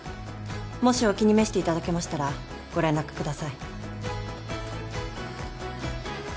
もしお気に召していただけましたらご連絡ください